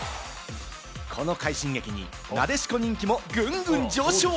この快進撃になでしこ人気もぐんぐん上昇。